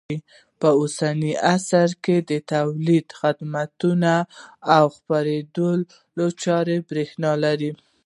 په اوسني عصر کې د تولیدي، خدماتي او خپرندوی چارې برېښنا لري.